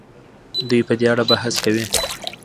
دوی په دې اړه بحث کوي.